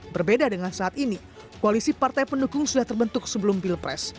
berbeda dengan saat ini koalisi partai pendukung sudah terbentuk sebelum pilpres